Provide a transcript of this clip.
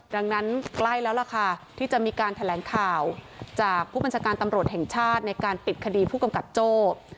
ดังนั้นใกล้แล้วล่ะค่ะที่จะมีการแถลงข่าวจากผู้บัญชาการตำรวจแห่งชาติในการปิดคดีผู้กำกับโจ้